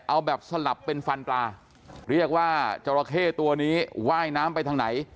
เอาแบบสลับเป็นฟันปลาเรียกว่าจราเข้ตัวนี้ว่ายน้ำไปทางไหน